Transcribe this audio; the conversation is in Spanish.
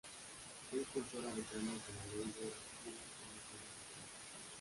Fue impulsora de cambios a la ley de cine en los años sesenta.